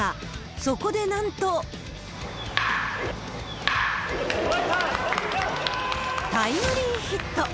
そこでなんと、タイムリーヒット。